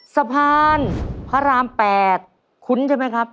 สะพานพระราม๘คุ้นใช่ไหมครับ